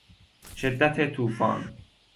شدت توفان